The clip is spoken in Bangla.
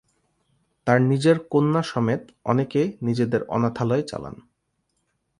তার নিজের কন্যা সমেত অনেকে নিজেদের অনাথালয় চালান।